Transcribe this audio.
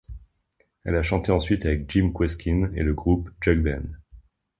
Elle a chanté ensuite avec Jim Kweskin et le groupe Jug Band.